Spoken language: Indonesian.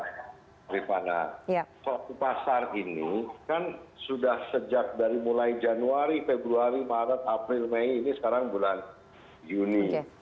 rifana pasar ini kan sudah sejak dari mulai januari februari maret april mei ini sekarang bulan juni